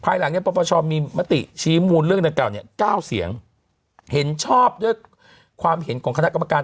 หลังเนี่ยปรปชมีมติชี้มูลเรื่องดังกล่าวเนี่ย๙เสียงเห็นชอบด้วยความเห็นของคณะกรรมการ